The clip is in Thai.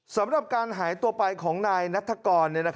สำหรับการหายตัวไปของนายนัฐกร